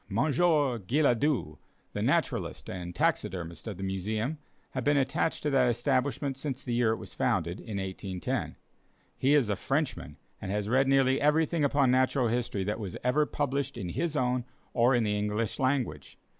Monsieur Guillaudeu, the naturalist and taxidermist of the Museum, had been attached to that establishment since the year it was founded, in 1810. He is a Frenchman, and has read nearly everything upon natural history that was ever published in his own or in the English language.